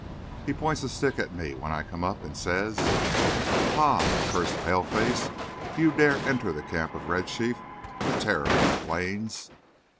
He points a stick at me when I come up, and says: "Ha! cursed paleface, do you dare to enter the camp of Red Chief, the terror of the plains?